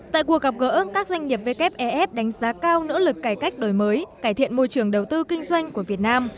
tại cuộc gặp gỡ các doanh nghiệp wfef đánh giá cao nỗ lực cải cách đổi mới cải thiện môi trường đầu tư kinh doanh của việt nam